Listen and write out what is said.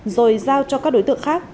rồi giao cho các đối tượng khác